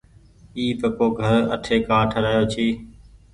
اي پڪوگهر آٺي ڪآ ٺرآيو ڇي۔